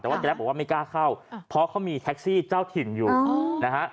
แต่ว่าแกรปบอกว่าไม่กล้าเข้าเพราะเขามีแท็กซี่เจ้าถิ่นอยู่นะฮะ